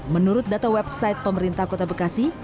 menurut data website pemerintah kota bekasi